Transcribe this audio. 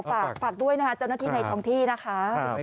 ฝากด้วยนะคะเจ้าหน้าที่ในท้องที่นะคะ